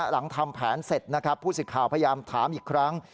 หลังทำแผนเสร็จนะครับผู้สิทธิ์ข่าวพยายามถามอีกครั้ง